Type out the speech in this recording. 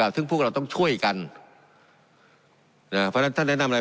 ซึ่งพวกเราต้องช่วยกันเพราะฉะนั้นท่านแนะนำอะไร